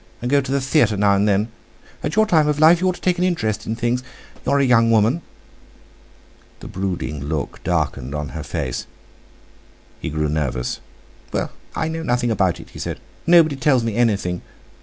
And go to the theatre now and then. At your time of life you ought to take an interest in things. You're a young woman!" The brooding look darkened on her face; he grew nervous. "Well, I know nothing about it," he said; "nobody tells me anything.